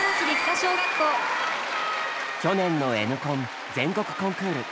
去年の「Ｎコン」全国コンクール。